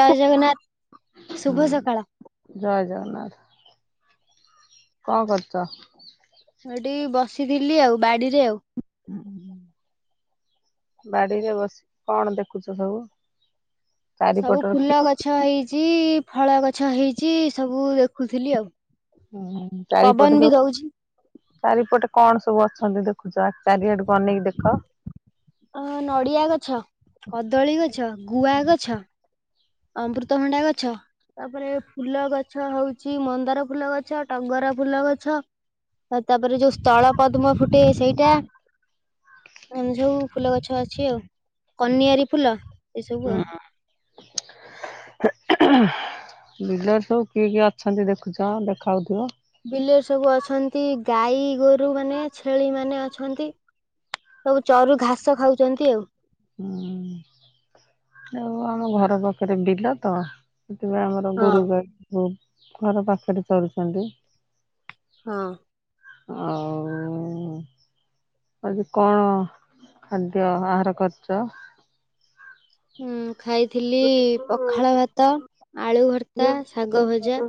ଜୟ ଜଗନ୍ନାଥ ଶୁଭ ହୁଁ ସକାଳ। ଜୟ ଜଗନ୍ନାଥ କଣ କରୁଛ? ମୁଁ ଏଠି ବସିଥିଲି ଆଉ ବାଡିରେ ଆଉ। ବାଡିରେ ବସି କଣ ଦେଖୁଛ ସବୁ? ସବୁ ଚାରିପଟ ଫୁଲ ଗଛ ହେଇଛି ଫଳ ଗଛ ହେଇଛି ସବୁ ଦେଖୁଥିଲି ଆଉ। ହୁଁ ଚାରିପଟେ ପବନ ବି ଯଉ ଦଉଛି ଚାରିପଟେ କଣ ସବୁ ଅଛନ୍ତି ଦେଖୁଛ? ଚାରିଆଡେକୁ ଅନେଇକି ଦେଖ। ଅ ନଡ଼ିଆ ଗଛ, କଦଳୀ ଗଛ, ଗୁଆ ଗଛ ଅମୃତଭଣ୍ଡଆ ଗଛ ତାପରେ ଫୁଲ ଗଛ ହଉଛି ମନ୍ଦାର ଫୁଲ ଗଛ, ଟଗର ଫୁଲ ଗଛ ଆଉ ତାପରେ ଯୋଉ ସ୍ଥଳ ପଦ୍ମ ଫୁଟେ ସେଇଟା ଏମିତି ସବୁ ଫୁଲ ଗଛ ଅଛି ଆଉ କନିଆର ଫୁଲ ଏ ସବୁ ଆଉ। [inaudible] ବିଲର ସବୁ କିଏ କିଏ ଅଛନ୍ତି ଦେଖୁଛ ଦେଖାଯାଉଥିବ। ବିଲରେ ସବୁ ଅଛନ୍ତି ଗାଈ ଗୋରୁ ମାନେ ଛେଳି ମାନେ ଅଛନ୍ତି। ସବୁ ଚରୁ ଘାସ ଖାଉଛନ୍ତି ଆଉ। ହୁଁ ଆଉ ଆମ ଘର ପାଖରେ ବିଲ ତ ସେଥିପାଇଁ ଆମର ହଁ। ଗୋରୁଈ ଘର ପାଖରେ ଚରୁୁଛନ୍ତି। ହଁ। ଆଉ ଆଜି କଣ ଖାଦ୍ୟ ଆହାର କରିଚ? ଉଁ ଖାଇଥିଲି ପଖାଳଭାତ, ଆଳୁଭର୍ତ୍ତା, ଶାଗଭଜା।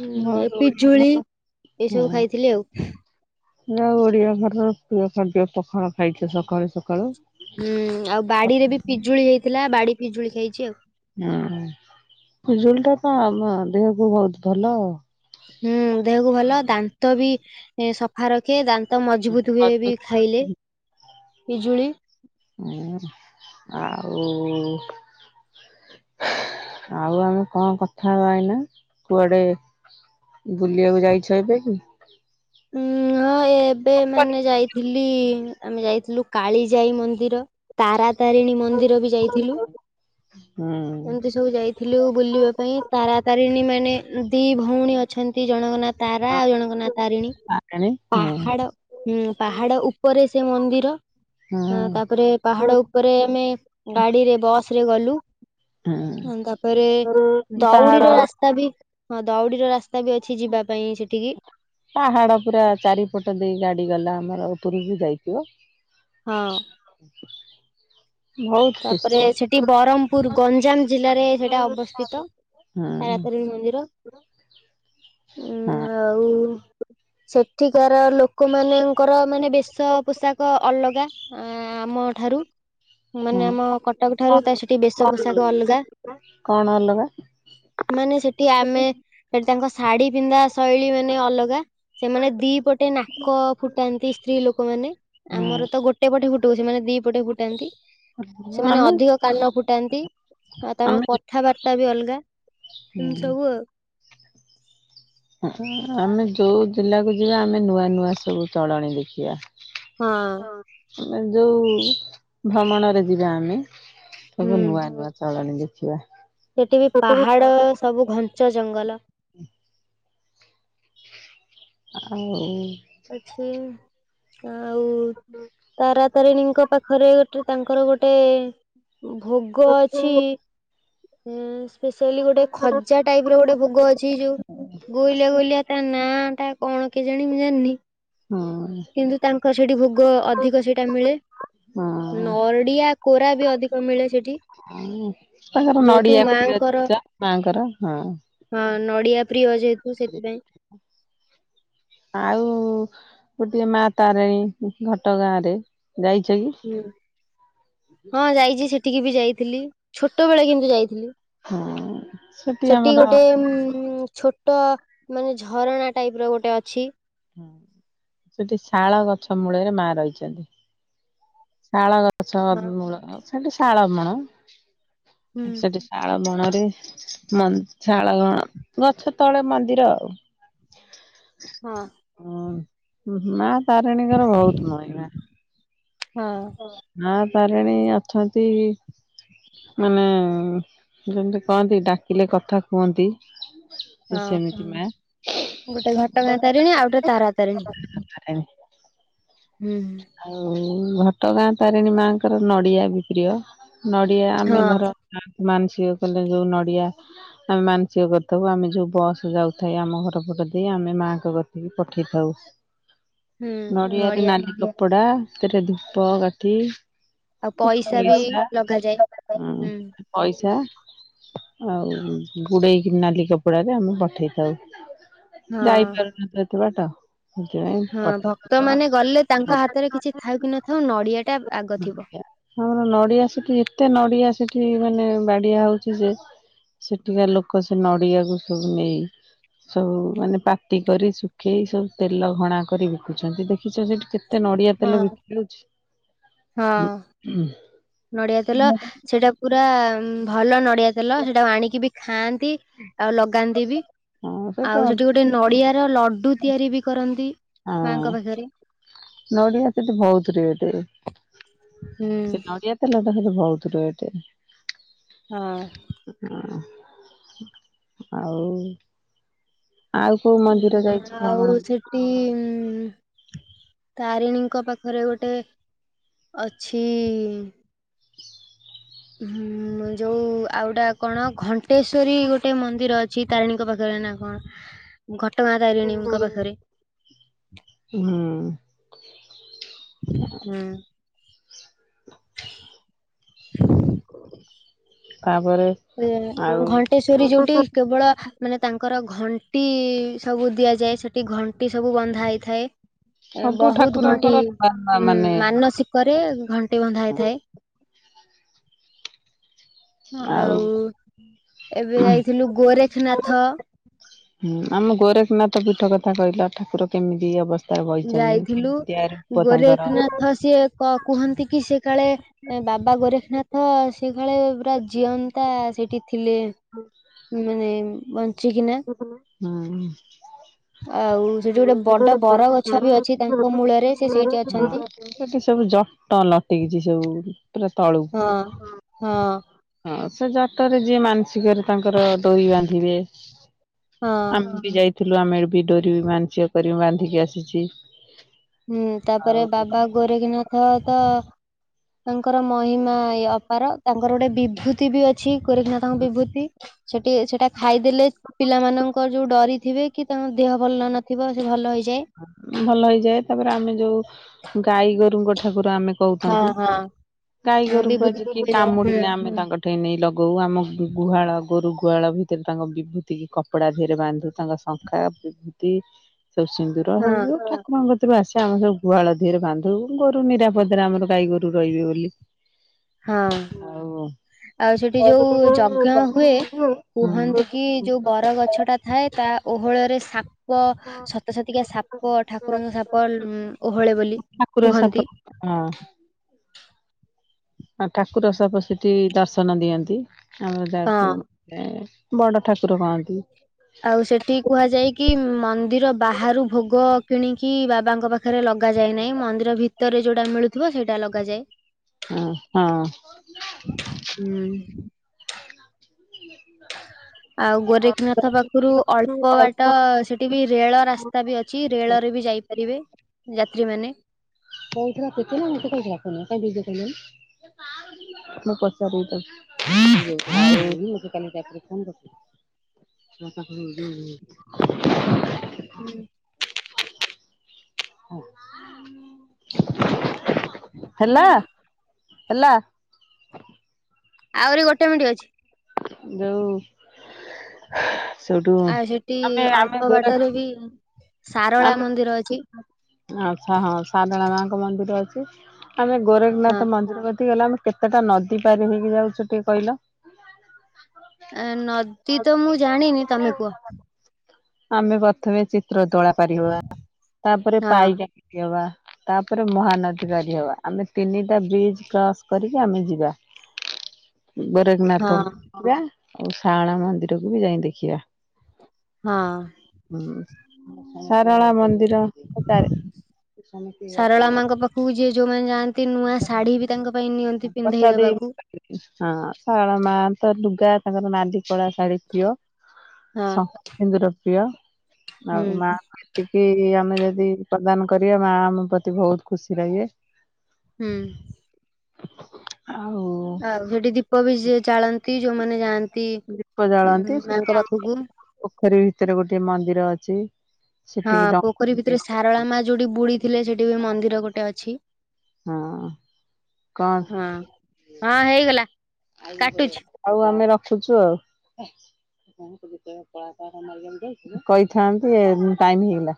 ଉଁ ପିଜୁଳି ଏଇ ସବୁ ଖାଇଥିଲି ଆଉ। ନା ଓଡିଆ ଘରର ପ୍ରିୟ ଖାଦ୍ୟ ପଖାଳ ଖାଇଚ ସକାଳୁ-ସକାଳୁ। ହୁଁ ଆଉ ବାଡିରେ ବି ପିଜୁଳି ହେଇଥିଲା ବାଡି ପିଜୁଳି ଖାଇଚି ଆଉ। ହୁଁ ପିଜୁଳି ଟା ତ ଆମ ଦେହକୁ ବହୁତୁ ଭଲ। ହୁଁ ଦେହକୁ ଭଲ ଦାନ୍ତ ବି ସଫା ରଖେ ଦାନ୍ତ ମଜବୁତ ହୁଏ ବି ଖାଇଲେ ପିଜୁଳି [unintelligible] ଆଉ ଆଉ ଆମେ କଣ କଥା ଏଇନା କୁଆଡେ ବୁଲିବାକୁ ଯାଇଛ ଏବେ କି। ଉଁ ହଁ ଏବେ ମାନେ ଯାଇଥିଲି ଆମେ ଯାଇଥିଲୁ କାଳିଜାଇ ମନ୍ଦିର। ତାରାତାରିଣୀ ମନ୍ଦିର ବି ଯାଇଥିଲୁ। ହୁଁ ସବୁ ଯାଇଥିଲୁ ବୁଲିବା ପାଇଁ ତାରାତାରିଣୀ ମାନେ ଦି ଭଉଣୀ ଅଛନ୍ତି ଜଣଙ୍କ ନାଁ ତାରା ଆଉ ଜଣଙ୍କ ନାଁ ତାରିଣୀ। [unintelligible] ପାହାଡ ହୁଁ ପାହାଡ ଉପରେ ସେ ମନ୍ଦିର। ହୁଁ ହଁ ତାପରେ ପାହାଡ ଉପରେ ଆମେ ଗାଡିରେ ବସ୍ ରେ ଗଲୁ ହ ହୁଁ ତାପରେ ପାହାଡ ଦଉଡିର ରା ସ୍ତା ବି ହଁ ଦଉଡିର ରାସ୍ତା ବି ଅଛି ଯିବା ପାଇଁ ସେଠିକି। ପାହାଡ ପୁରା ଚାରିପଟ ଦେଇ ଗାଡି ଗଲା ଆମର ଉପରକୁ ଯାଇଥିବ। ହଁ। ଆ ତାପରେ ସେଠି ବ୍ରହ୍ମପୁର ଗଞ୍ଜାମ ଜିଲ୍ଲାରେ ସେଟା ଅବସ୍ଥିତ। ହୁଁ ତାରାତାରିଣୀ ମନ୍ଦିର। ହଁ ଉଁ ଆଉ ସେଠିକାର ଲୋକ ମାନଙ୍କର ମାନେ ବେ ଶ ପୋଷାକ ଅଲଗା ଆମଠାରୁ ମାନେ ହଁ ଆମ କଟକ ଠାରୁ ତା ସେଠି ବେଶ ପୋଷାକ ଅଲଗା। କଣ ଅଲଗା ମାନେ ସେଠି ଆମେ ସେଠି ତାଙ୍କ ଶାଢୀ ପିନ୍ଧା ଶୈଳୀ ମାନେ ଅଲଗା। ସେମାନେ ଦି ପଟେ ନାକ ଫୁଟାନ୍ତି ସ୍ତ୍ରୀ ଲୋକମାନେ। ଆମର ହୁଁ ତ ଗୋଟେ ପଟେ ଫୁଟଉଚୁ ସେମାନେ ଦି ପଟେ ଫୁଟାନ୍ତି। ସେମାନେ ଆମେ ଅଧିକ କାନ ଫୁଟାନ୍ତି ଆଉ ତାଙ୍କ ଆମେ କଥାବାର୍ତ୍ତା ବି ଅଲଗା ହୁଁ ଏମିତି ସବୁ ଆଉ। ଆମେ ଯୋଉ ଜିଲ୍ଲାକୁ ଯିବା ଆମେ ନୂଆ-ନୂଆ ସବୁ ଚଳଣି ଦେଖିବା। ହଁ, ମାନେ ଯୋଉ ଭ୍ରମଣରେ ଯିବା ଆମେ ସବୁ ହୁଁ ନୂଆ-ନୂଆ ଚାଲାଣୀ ଦେଖିବା। ସେଠି ବି ପାହାଡ ସବୁ ଘଞ୍ଚ ଜଙ୍ଗଲ ଆଉ। ଅଛି ଆଉ। ହୁଁ ତାରାତାରିଣୀଙ୍କ ପାଖରେ ଗୋଟେ ତାଙ୍କର ଗୋଟେ ଭୋଗ ଅଛି ସ୍ପେଶଆଲି ଗୋଟେ ଖଜା ଟାଇପ୍ ର ଗୋଟେ ଭୋଗ ଅଛି ଯୋଉ ଗୋଲିଆ-ଗୋଲିଆ ତା ନାଁ ଟା କଣ କେଜାଣି ମୁଁ ଜାଣିନି। ହଁ। କିନ୍ତୁ ତାଙ୍କର ସେଠି ଭୋଗ ଅଧିକ ସେଇଟା ମିଳେ ହଁ ନ ନଡ଼ିଆ କୋରା ବି ଅଧିକ ମିଳେ ସେଠି। ତାଙ୍କର ଯେହେତୁ ନଡିଆ ପ୍ରିୟ ମାଙ୍କର ମାଙ୍କର ହଁ। ହଁ ନଡିଆ ପ୍ରିୟ ଯେହେତୁ ସେଥିପାଇଁ ହ ଆଉ ଗୋଟିଏ ମା ତାରିଣୀ ଘଟ ଗାଁ ରେ ଯାଇଛ କି? ହଁ ହଁ ଯାଇଛି ସେଠିକି ବି ଯାଇଥିଲି ଛୋଟ ବଳେ କିନ୍ତୁ ଯାଇଥିଲି। ହଁ ସେଠି ଗୋଟେ ଉ ଛୋ ଛୋଟ ମାନେ ଝରଣା ଟାଇପ ର ଗୋଟେ ଅଛି। ହଁ ସେଠି ଶାଳ ଗଛ ମୂଳରେ ମା ରହିଛନ୍ତି। ଶାଳ ଗଛ ହଁ ମୂଳ ସେଠି ଶାଳ ମୂଳ ହୁଁ ସେଠି। ଶାଳ ବଣରେ ମ ଶାଳ ବଣ ଗଛ ତଳେ ମନ୍ଦିର ଆଉ ଆଜା ହଁ। ହ ମା ତାରିଣୀଙ୍କର ବହୁତ ମହିମା। ହଁ। ହଁ ମା ତାରିଣୀ ଅଛନ୍ତି। ମାନେ ଯେମିତି କହନ୍ତି ଡାକିଲେ କଥା କୁହନ୍ତି। ସିଏ ହଁ ସେମିତି ମା। ଗୋଟେ ଘଟଗାଁ ତାରିଣୀ ଆଉ ଗୋଟେ ତାରା ତାରିଣୀ। ହୁଁ। ଆଉ ଘଟଗାଁ ତାରିଣୀ ମାଙ୍କର ନଡିଆ ବି ପ୍ରିୟ ନଡିଆ ହଁ ଆମେ ଧର ମାନସିକ କଲେ ଯୋଉ ନଡିଆ ଆମେ ମାନସିକ କରିଥାଉ ଆମେ ଯୋଉ ବସ ଯାଉଥାଏ ଆମ ଘର ପଟ ଦେଇ ଆମେ ମାଙ୍କ କତିକି ପଠେଇଥାଉ। ହୁଁ ନଡ଼ିଆରେ ନଡିଆ ନାଲି କପଡା ସେରେ ଧୂପ କାଠି ଆଉ କିଛି ବି ପଇସା ଲଗାଯାଏ ହୁଁ। ପଇସା। ଆଉ ଗୁଡେଇକି ନାଲି କପଡାରେ ଆମେ ପଠେଇଥାଉ। ହଁ ଯାଇପାରୁନ ଏତେ ଏତେ ବାଟ ସେଥିପାଇଁ? ହଁ ଭକ୍ତ ମାନେ ପଠେଇ ଗଲେ ତାଙ୍କ ହାତରେ କିଛି ଥାଉ କି ନଥାଉ ନଡିଆ ଟା ଆଗ ଥିବ। ଆମର ନଡିଆ ସେଠି ଏତେ ନଡିଆ ସେଠି ମାନେ ବାଡିଆ ହଉଛି ଯେ ସେଠିକା ଲୋକ ସେ ନଡିଆକୁ ସବୁ ନେଇ ସବୁ ମାନେ ପାତି କରି ଶୁଖେଇ ସବୁ ତେଲ ଘଣା କରି ବିକୁଛନ୍ତି ଦେଖିଛ ସେଠି କେତେ ହଁ ତେଲ ବିକି ହଉଛି। ହଁ ନଡିଆ ତେଲ ସେଇଟା ପୁରା ଭଲ ନଡିଆ ତେଲ ସେଟା ଆଣିକି ବି ଖାଆନ୍ତି ଆଉ ଲଗାନ୍ତି ବି ହଁ ସେଟା ଆଉ ସେଠି ଗୋଟେ ନଡ଼ିଆର ଲଡୁ ତିଆରି ବି କରନ୍ତି। ମାଙ୍କ ହଁ ପାଖରେ ନଡିଆ ସେଠି ବହୁତ ରେଟ୍। ହୁଁ ସେ ନଡିଆ ତେଲଟା ବହୁତ ରେଟ୍। ହଁ। ହ ଆଉ ଆଉ କୋଉ ମନ୍ଦିର ଯାଇଛୁ ଭ୍ରମଣ ଆଉ ସେଠି ଉଁ ତାରିଣୀଙ୍କ ପାଖରେ ଗୋଟେ ଅଛି। ହୁଁ ଯୋଉ ଆଉ ଗଟା କଣ ଘଣ୍ଟେଶ୍ଵରୀ ଗୋଟେ ମନ୍ଦିର ଅ ଅଛି ତାରିଣୀଙ୍କ ପାଖରେ ନା କଣ? ଘଟଗାଁ ତାରିଣୀଙ୍କ ପାଖରେ। ହୁଁ ହୁଁ। [inaudible] ହ [unintelligible] ଘଣ୍ଟେଶ୍ଵରୀ ଯୋଉଠି କେବଳ ମାନେ ତାଙ୍କର ଘଣ୍ଟି ସବୁ ଦିଆଯାଏ ସେଠି ଘଣ୍ଟି ସବୁ ବନ୍ଧା ହେଇଥାଏ। ଏ ସବୁ ବହୁତ ଘଣ୍ଟି ଠାକୁରଙ୍କର ମା ଉ ମାନେ ମାନସିକରେ ଘଣ୍ଟି ବନ୍ଧା ହେଇଥାଏ ଆଉ ଏବେ ଯାଇଥିଲୁ ଉ ଗୋରେଖନାଥ ହୁ ହୁଁ ଆମ ଗୋରେଖନାଥ ପୀଠ କଥା କହିଲା ଠାକୁର କେମିତି ଅବସ୍ ଯାଇଥିଲୁ ଗୋରେଖନାଥ ସିଏ କ କୁହନ୍ତି କି ସେ କାଳେ ଏ - ବାବା ଗୋରେଖନାଥ ସେ ଖାଳେ ପୁରା ଜିଅନ୍ତା ସେଠି ଥିଲେ ମାନେ ବଞ୍ଚିକିନା ପାଣି ସେଠି ଆଉ ଗୋଟେ ଗୋଟେ ବର ବଡ ଗଛ ଝର ବି ଅଛି ତାଙ୍କ ମୂଳରେ ସେ ସେଇଠି ଅଛି ଅଛନ୍ତି [unintelligible] ହଁ ସେଠି ସବୁ ଜଟ ଲଟିକିଛି ସବୁ ପୁରା ତଳୁକୁ। ହଁ ହଁ। ହଁ ସେ ଜଟରେ ଯିଏ ମାନସିକରେ ତାଙ୍କର ଡୋରି ବାନ୍ଧିବେ। ହଁ ଆମେ ବି ଯାଇଥିଲୁ ଆମେ ବି ଡୋରିରୁ ମାନସିକ କରି ବାନ୍ଧିକି ଆସିଛି। ହୁଁ ତାପରେ ଆଉ ବାବା ଗୋରେଖିନାଥ ତ ତାଙ୍କର ମହିମା ଏଇ ଅପାର, ତାଙ୍କର ଗୋଟେ ବିଭୂତି ବି ଅଛି ଗୋରେଖନାଥଙ୍କ ବିଭୂତି। ସେଠି ଆ ସେଟା ଖାଇଦେଲେ ପିଲାମାନଙ୍କର ଯୋଉ ଡରିଥିବେ କି ତାଙ୍କ ଦେହ ଭଲ ଲାଗୁ ନଥିବ ସେ ଭଲ ହେଇଯାଏ। ଭଲ ହେଇଯାଏ। ତାପରେ ଆମେ ଯୋଉ ଗାଈ ଗୋରୁଙ୍କ ଠାକୁର ଆମେ କହୁ ହଁ ତାଙ୍କୁ ହଁ ଗାଈ ହଁ ଗୋରୁକୁ ବିଭୂତି ଆଜି କିଏ ପକେଇଦବା ହୁଁ କାମୁଡିଲେ ଆମେ ତାଙ୍କ ଉଠେଇ ନେଇ ଲଗଉ ଆମ ଗୁହାଳ ଗୋରୁ ଗୁହାଳ ଭିତରେ ତାଙ୍କ ବିଭୂତିକି କପଡ଼ା ଧୀରେ ବାନ୍ଧୁ ତାଙ୍କ ଶଙ୍ଖା ବିଭୂତି ସବୁ ସିନ୍ଦୁର ହଁ ହଉ ଠା କଣଙ୍କ କତରୁ ଆସେ ଆମେ ସବ ଗୁହାଳ ଧିରେ ବାନ୍ଧୁ, ଗୋରୁ ନିରାପଦରେ ଆମର ଗାଈ ଗୋରୁ ରହିବେ ବୋଲି। [inaudible] ହଁ। ଆଉ ଆଉ ସେଠି ଯୋଉ ଯଜ୍ଞ ହୁଏ, କୁହନ୍ତି ହୁଁ। କି ଯୋଉ ବର ଗଛ ଟା ଥାଏ। ତା ଓହଳରେ ସାପ ପ ସତ ସତିକା ସାପ ଠାକୁରଙ୍କ ସାପ ଉ ଓହଳେ ବୋଲି ଠାକୁର ସାପ କୁହନ୍ତି। ହଁ। ଠାକୁର ସାପ ସେଠି ଦର୍ଶନ ଦିଅନ୍ତି, ଆମର ହଁ ଯାହାକୁ ଏ ବଡ ଠାକୁର କହନ୍ତି। ଆଉ ସେଠି କୁହାଯାଏ କି, ମନ୍ଦିର ବାହାରୁ ଭୋଗ କିଣିକି ବାବାଙ୍କ ପାଖରେ ଲଗାଯାଏ ନାହିଁ, ମନ୍ଦିର ଭିତରେ ଯୋଉଟା ମିଳୁଥିବ ସେଇଟା ଲଗାଯାଏ। ହଁ ହଁ। ହୁଁ। [inaudible] ଆଉ ଗୋରେଖନାଥ ପାଖରୁ ଅଳ୍ପ ବାଟ ସେଠି ସେଠି ବି ରେଳ ରାସ୍ତା ବି ଅଛି, ରେଳ ରେ ବି ଯାଇପାରିବେ ଯାତ୍ରୀମାନେ। କହୁଥିଲା ତତେ ନା ମତେ କହିଥିଲା ଫୋନ କର, କାଇଁ ବିଜି ଦେଖେଇଲାନି। ମୁଁ ପଚାରିବି ତାକୁ। [unintelligible] କାଲି ମୋ ପାଖରୁ ଯୋଉ ହୁଁ। ହେଲା ହେଲା। ଆହୁରି ଗୋଟେ ମିନିଟ ଅଛି। ଯଉ ସେଇଠୁ ଆମେ ଆମେ ଗୋରା ବିର୍ ଆମେ ଆଚ୍ଛା ହଁ ସାଦଳା ମା ଙ୍କ ମନ୍ଦିର ଅଛି। ଆମେ ହଁ ଗୋରଖନାଥ ମନ୍ଦିର କତିକି ଗଲେ, ଆମେ କେତେଟା ନଦୀ ପାରି ହେଇକି ଯାଉଛୁ ଟିଏ କହିଲ। ନଦୀ ତ ମୁଁ ଜାଣିନି ତମେ କୁହ। ଆମେ ପ୍ରଥମେ ଚିତ୍ର ତୋଳା ପାରି ହବା ତାପରେ ହଁ ପାଇକେ କି ଅବା ତାପରେ ମହାନଦୀ ପାରି ହବା, ଆମେ ତିନିଟା ବ୍ରିଜି କ୍ରସ୍ କରିକି ଆମେ ଯିବା। ହ ହଁ ବେରେଖନାଥ ଇବା ଆଉ ଶାରଳା ମନ୍ଦିରକୁ ବି ଯାଇ ଦେଖିବା। ହଁ। ହୁଁ ସାରଳା ମନ୍ଦିର ସେଟାରେ ସାରଳା ମାଙ୍କ ପାଖକୁ ଯିଏ ଯୋଉମାନେ ଯାଆନ୍ତି, ନୂଆ ଶାଢୀ ବି ତାଙ୍କ ପାଇଁ ନିଅନ୍ତି ପଚା ପିନ୍ଧେଇ ଦେଇ ଦବାକୁ। ହଁ ସାରଳା ମା ତ ଲୁଗା ତାଙ୍କର ନାଦି କଳା ଶାଢୀ ପ୍ରିୟ। ହଁ ଶଙ୍ଖା ସିନ୍ଦୁର ପ୍ରିୟ ହୁଁ ଆଉ ମା ଏତିକି ଆମେ ଯଦି ପ୍ରଦାନ କରିବା, ମା ଆମ ପ୍ରତି ବହୁତ ଖୁସି ରହିବେ। ହୁଁ। ଆଉ ଆଉ ସେଠି ଦୀପ ବି ଯିଏ ଜାଳନ୍ତି ଯୋଉମାନେ ଯାଆ ଦୀପ ଜାଳନ୍ତି ସେଠି ଆଉ ପୋଖରୀ ଭିତରେ ଗୋଟିଏ ମନ୍ଦିର ଅଛି। ହଁ ସେଠିକି ପୋଖରୀ ଡଙ୍ଗ ଭିତରେ ସାରଳା ମା ଯୋଉଠି ବୁଡି ଥିଲେ ସେଠି ବି ମନ୍ଦିର ଗୋଟେ ଅଛି। ହଁ କଣ ହଁ ହଁ ହେଇଗଲା କାଟୁଛି। ହଉ ଆମେ ରଖୁଛୁ ଆଉ। କହିଥାନ୍ତି ଏ ଟାଇମ୍ ହେଇଗଲା।